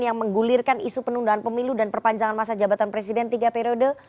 yang menggulirkan isu penundaan pemilu dan perpanjangan masa jabatan presiden tiga periode